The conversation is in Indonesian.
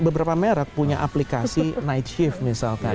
beberapa merek punya aplikasi night shift misalkan